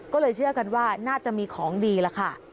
ก็เลยเชื่อกันว่าน่าจะมีของดีล่ะค่ะ